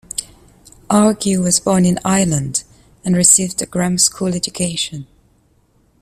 Argue was born in Ireland, and received a grammar school education.